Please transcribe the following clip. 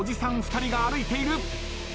２人が歩いている。